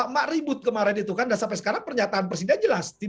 mak ribut kemarin itu kan dan sampai sekarang pernyataan presiden jelas